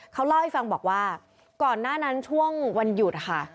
เขาเล่าให้ฟังบอกว่าก่อนหน้านั้นช่วงวันหยุดค่ะ